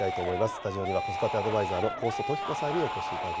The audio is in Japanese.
スタジオには子育てアドバイザーの高祖常子さんにお越しいただき